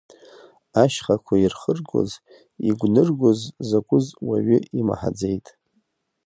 Ашьхақәа ирхыргоз, игәныргоз закәыз уаҩы имаҳаӡеит.